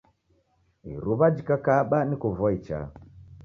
Iruw'a jikakaba niko vua ichaa.